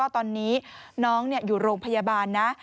ตอนนี้น้องอยู่โรงพยาบาลนะ